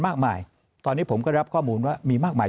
มากมายตอนนี้ผมก็รับข้อมูลว่ามีมากมาย